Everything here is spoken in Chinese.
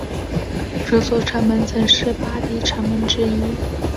这座城门曾是巴黎城门之一。